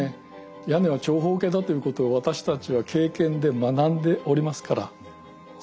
屋根は長方形だということを私たちは経験で学んでおりますからそうなるんだと思います。